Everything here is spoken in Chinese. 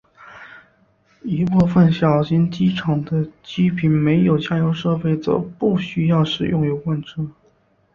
一部份小型机场的机坪设有加油设备则不需使用油罐车。